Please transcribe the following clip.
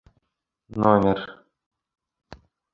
Номер..